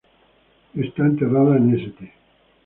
Está enterrada en St.